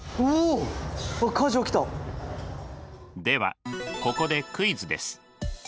ではここでクイズです。